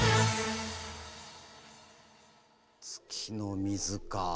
月の水かあ。